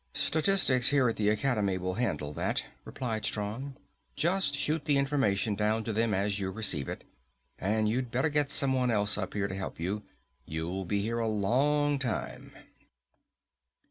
"Statistics here at the academy will handle that," replied Strong. "Just shoot the information down to them as you receive it. And you'd better get someone else up here to help you. You'll be here a long time."